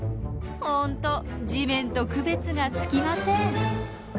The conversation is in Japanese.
ほんと地面と区別がつきません。